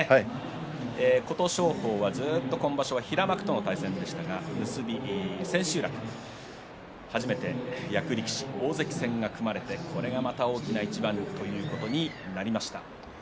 琴勝峰はずっと今場所平幕との対戦でしたが千秋楽、初めて役力士大関戦が組まれて大きな一番ということになりました。